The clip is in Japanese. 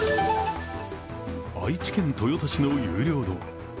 愛知県豊田市の有料道路。